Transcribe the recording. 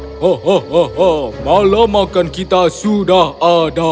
hehehe malam makan kita sudah ada